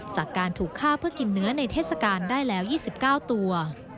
จากการถูกฆ่าเพื่อกินเนื้อในเทศกาลได้แล้ว๒๙ตัว